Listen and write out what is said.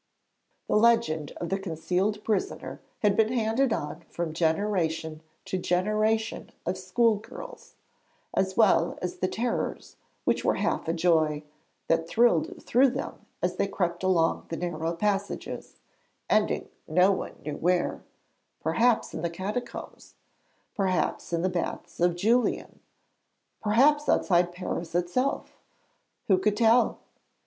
The legend of the concealed prisoner had been handed on from generation to generation of school girls, as well as the terrors which were half a joy, that thrilled through them as they crept along the narrow passages, ending no one knew where perhaps in the Catacombs, perhaps in the baths of Julian, perhaps outside Paris itself! Who could tell?